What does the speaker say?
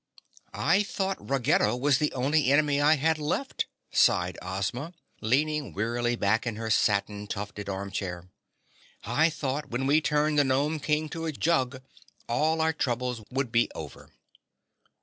"I thought Ruggedo was the only enemy I had left," sighed Ozma, leaning wearily back in her satin tufted arm chair. "I thought when we turned the Gnome King to a jug, all our troubles would be over."